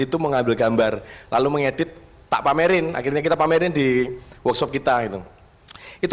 itu mengambil gambar lalu mengedit tak pamerin akhirnya kita pamerin di workshop kita itu itu